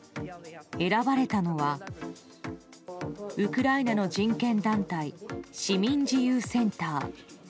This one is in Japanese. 選ばれたのはウクライナの人権団体市民自由センター。